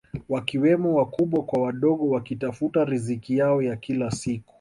Wakiwemo wakubwa kwa wadogo wakitafuta riziki yao ya kila siku